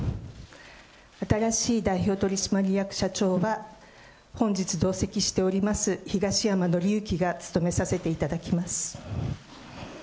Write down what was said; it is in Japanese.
新しい代表取締役社長は、本日同席しております、東山紀之が務めさせていただきます。